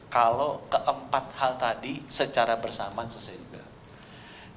kalau keempat hal tadi secara bersamaan sesuai juga